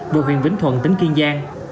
và huyện vĩnh thuận tỉnh kiên giang